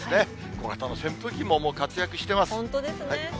小型の扇風機も、もう活躍してま本当ですね。